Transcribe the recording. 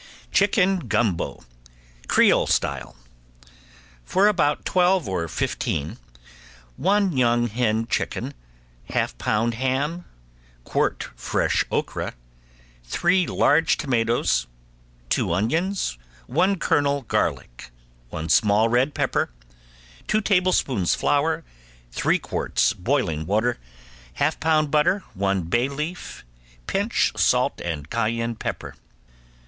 ~CHICKEN GUMBO, CREOLE STYLE~ For about twelve or fifteen, one young hen chicken, half pound ham, quart fresh okra, three large tomatoes, two onions, one kernel garlic, one small red pepper, two tablespoons flour, three quarts boiling water, half pound butter, one bay leaf, pinch salt and cayenne pepper.